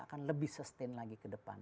akan lebih sustain lagi ke depan